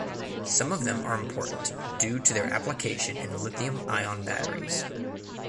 Some of them are important due to their application in lithium ion batteries.